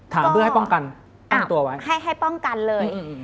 ถามเบื้อให้ป้องกันป้องตัวไว้ให้ป้องกันเลย